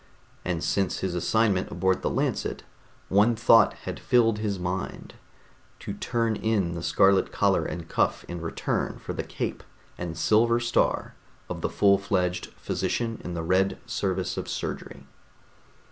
And since his assignment aboard the Lancet, one thought had filled his mind: to turn in the scarlet collar and cuff in return for the cape and silver star of the full fledged physician in the Red Service of Surgery.